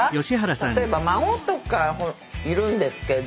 例えば孫とかいるんですけど。